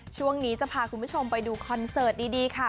ช่วงนี้จะพาคุณผู้ชมไปดูคอนเสิร์ตดีค่ะ